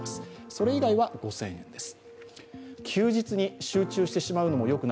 それ以外は５０００円です。